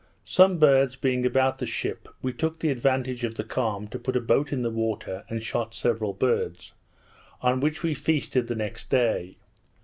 Some birds being about the ship, we took the advantage of the calm to put a boat in the water, and shot several birds, on which we feasted the next day.